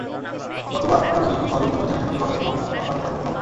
গতবার আপনারা যেভাবে সহযোগিতা করেছেন, আশা করি এবারও সেভাবে আপনাদের সহযোগিতা পাব।